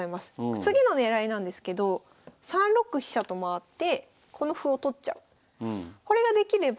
次の狙いなんですけど３六飛車と回ってこの歩を取っちゃう。